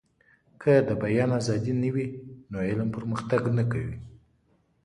که د بيان ازادي نه وي نو علم پرمختګ نه کوي.